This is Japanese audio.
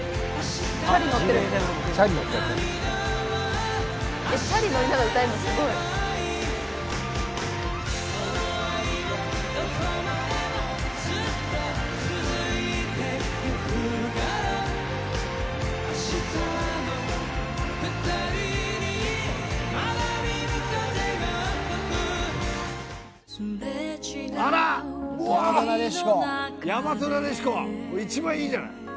これ一番いいじゃない。